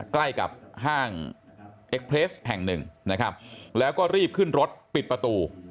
ใกล้กับห้างเอ็กเพลสแห่งหนึ่งนะครับแล้วก็รีบขึ้นรถปิดประตู